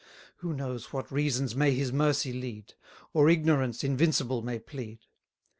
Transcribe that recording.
Who knows what reasons may His mercy lead; Or ignorance invincible may plead?